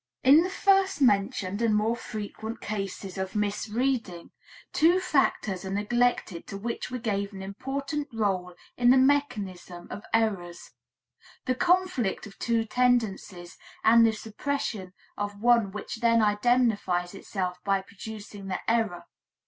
In the first mentioned and more frequent cases of misreading, two factors are neglected to which we gave an important role in the mechanism of errors: the conflict of two tendencies and the suppression of one which then indemnifies itself by producing the error.